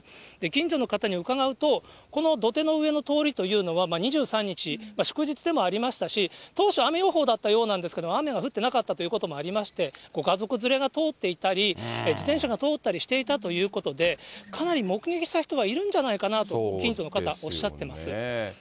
近所の方に伺うと、この土手の上の通りというのは、２３日、祝日でもありましたし、当初、雨予報だったようなんですけど、雨は降ってなかったということもありまして、ご家族連れが通っていたり、自転車が通ったりしていたということで、かなり目撃した人はいるんじゃないかなと、ご近所の方、おっしゃってます。